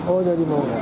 oh jawa timur